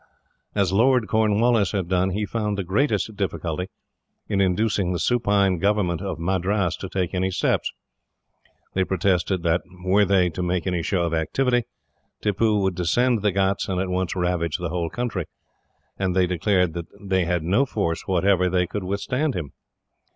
As Lord Cornwallis had done, he found the greatest difficulty in inducing the supine government of Madras to take any steps. They protested that, were they to make any show of activity, Tippoo would descend the ghauts, and at once ravage the whole country; and they declared that they had no force whatever that could withstand him.